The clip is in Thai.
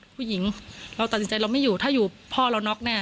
ผู้หญิงเราตัดสินใจเราไม่อยู่ถ้าอยู่พ่อเราน็อกแน่